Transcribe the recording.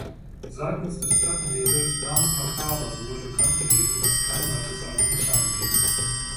Seitens des Plattenlabels Danse Macabre wurde bekannt gegeben, dass kein weiteres Album erscheinen wird.